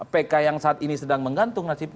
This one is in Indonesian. pk yang saat ini sedang menggantung nasib